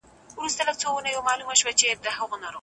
دا مربع شکل دئ.